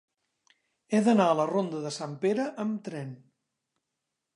He d'anar a la ronda de Sant Pere amb tren.